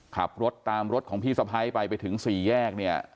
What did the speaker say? ขับรถตามรถของพี่สะพ้ายไปไปถึงสี่แยกเนี่ย